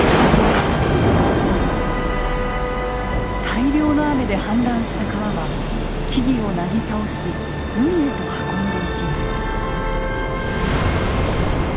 大量の雨で氾濫した川は木々をなぎ倒し海へと運んでいきます。